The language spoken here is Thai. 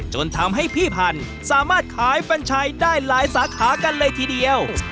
จนทำให้พี่พันธุ์สามารถขายแฟนชายได้หลายสาขากันเลยทีเดียว